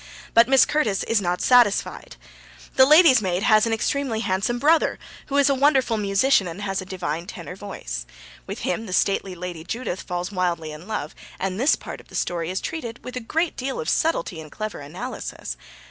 But Miss Curtis is not satisfied. The lady's maid has an extremely handsome brother, who is a wonderful musician, and has a divine tenor voice. With him the stately Lady Judith falls wildly in love, and this part of the story is treated with a great deal of subtlety and clever analysis.